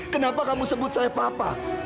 kenapa kamu sebut saya papa